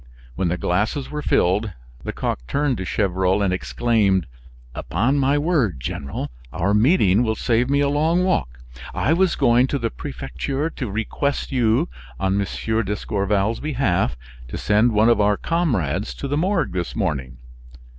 When the glasses were filled, Lecoq turned to Gevrol and exclaimed: "Upon my word, General, our meeting will save me a long walk. I was going to the prefecture to request you, on M. d'Escorval's behalf, to send one of our comrades to the Morgue this morning.